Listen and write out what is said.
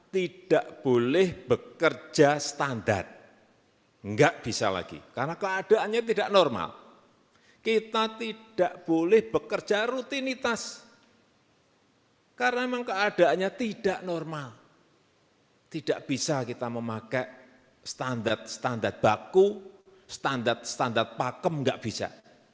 tidak bisa kita memakai standar standar baku standar standar pakem enggak bisa